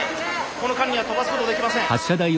この間には飛ばすことできません。